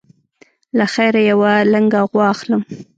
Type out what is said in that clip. له خیره یوه لنګه غوا اخلم.